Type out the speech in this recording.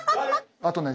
あとね